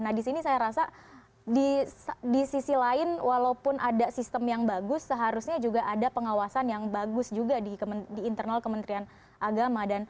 nah di sini saya rasa di sisi lain walaupun ada sistem yang bagus seharusnya juga ada pengawasan yang bagus juga di internal kementerian agama